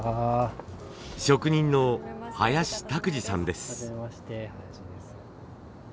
職人の林拓児さんです。